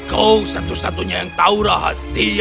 aku akan menghabisimu dan dengan demikian mengubur hasiaku sepenuhnya